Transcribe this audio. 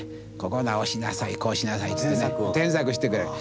「ここ直しなさいこうしなさい」って添削してくれる。